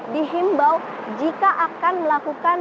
dihimbau jika akan melakukan